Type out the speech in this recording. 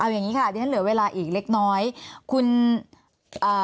เอาอย่างงี้ค่ะจะเหลือเวลาอีกเล็กน้อยคุณเอ่อ